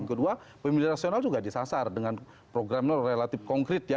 kedua pemilih rasional juga disasar dengan program relatif konkret ya